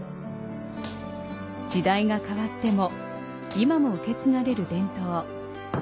時代が変わっても今も受け継がれる伝統。